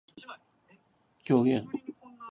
狂言